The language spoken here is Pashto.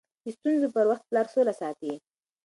د ستونزو پر وخت پلار سوله ساتي.